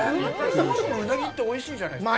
そもそもウナギっておいしいじゃないですか。